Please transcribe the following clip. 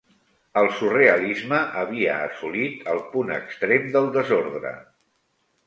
El surrealisme havia assolit el punt extrem del desordre.